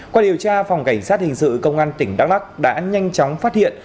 qua điều tra phòng cảnh sát hình sự công an tỉnh đắk lắc đã nhanh chóng phát hiện